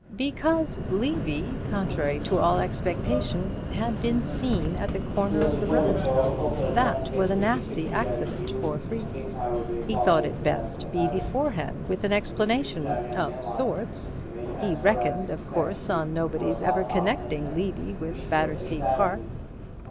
"Because Levy, contrary to all expectation, had been seen at the corner of the road. That was a nasty accident for Freke. He thought it best to be beforehand with an explanation—of sorts. He reckoned, of course, on nobody's ever connecting Levy with Battersea Park."